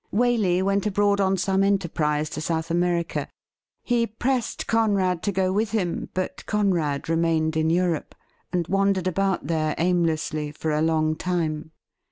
Waley went abroad on some enterprise to South America. He pressed Conrad to go with him, but Conrad remained in Europe, and wandered about there aimlessly for a long time.